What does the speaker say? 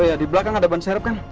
oh iya dibelakang ada ban serep kan